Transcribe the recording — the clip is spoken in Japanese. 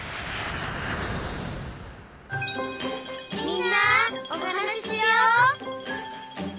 「みんなおはなししよう」